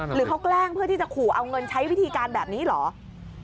หรือเขาแกล้งเพื่อที่จะขู่เอาเงินใช้วิธีการแบบนี้เหรอ